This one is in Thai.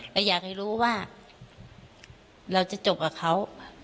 เราอยากให้รู้ว่าเราจะจบกับเขา